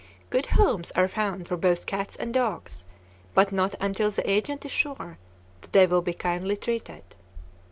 Good homes are found for both dogs and cats, but not until the agent is sure that they will be kindly treated.